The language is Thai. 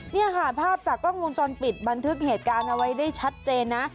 นี่ค่ะภาพจากกล้องวงจรปิดบันทึกเหตุการณ์เอาไว้ได้ชัดเจนนะ